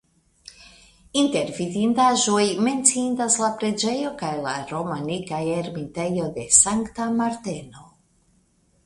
Inter vidindaĵoj menciindas la preĝejo kaj la romanika ermitejo de Sankta Marteno.